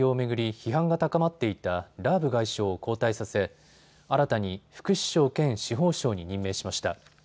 批判が高まっていたラーブ外相を交代させ新たに副首相兼司法相に任命しました。